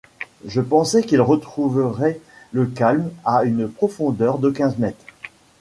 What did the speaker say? Je pensais qu’il retrouverait le calme à une profondeur de quinze mètres.